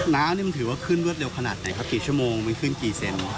น้ำมันถือว่าขึ้นรวดเร็วขนาดไหนครับกี่ชั่วโมงมันขึ้นกี่เซน